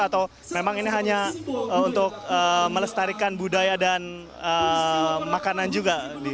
atau memang ini hanya untuk melestarikan budaya dan makanan juga